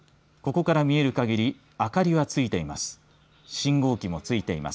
ここから見える限り明かりはついています。